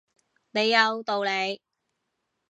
你有道理